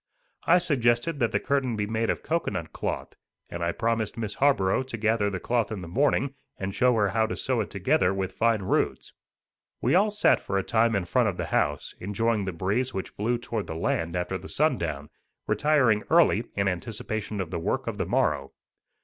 I suggested that the curtain be made of cocoanut cloth, and I promised Miss Harborough to gather the cloth in the morning, and show her how to sew it together with fine roots. We all sat for a time in front of the house, enjoying the breeze which blew toward the land after the sun down, retiring early in anticipation of the work of the morrow.